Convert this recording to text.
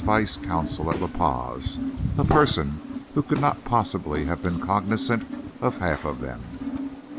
vice consul at La Paz—a person who could not possibly have been cognizant of half of them.